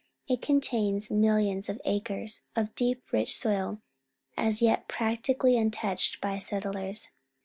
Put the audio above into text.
It contains millions of acres of deep, rich •soil, as yet practically untouched by settlers.